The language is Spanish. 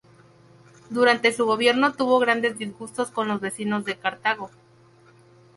Durante su gobierno tuvo grandes disgustos con los vecinos de Cartago.